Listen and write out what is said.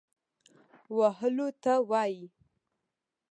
وهلو ته وايي.